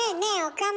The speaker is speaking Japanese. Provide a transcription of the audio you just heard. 岡村。